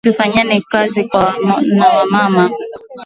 Tufanyeni Kazi na wa mama